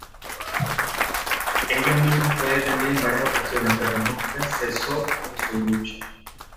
Ella misma fue detenida en varias ocasiones, pero nunca cesó en su lucha.